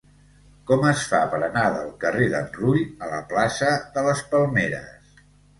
Com es fa per anar del carrer d'en Rull a la plaça de les Palmeres?